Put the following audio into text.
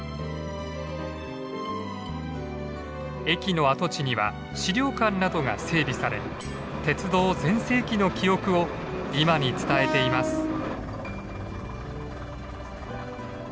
駅の跡地には資料館などが整備され鉄道全盛期の記憶を今に伝えています。